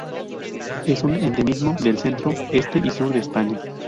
Es un endemismo del Centro, Este y Sur de España.